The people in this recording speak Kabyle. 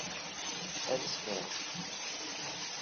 Ad tt-ffreɣ.